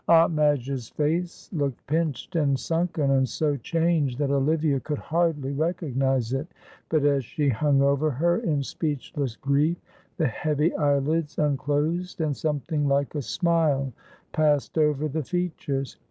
Aunt Madge's face looked pinched and sunken, and so changed that Olivia could hardly recognise it, but, as she hung over her in speechless grief, the heavy eyelids unclosed, and something like a smile passed over the features.